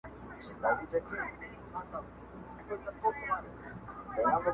بس هلک مي له بدیو توبه ګار کړ -